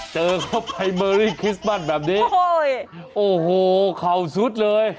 เข้าไปเมอรี่คริสต์มัสแบบนี้โอ้โหเข่าซุดเลย